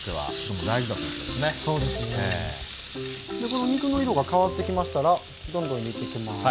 この肉の色が変わってきましたらどんどん入れていきます。